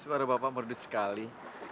suara bapak merdu sekali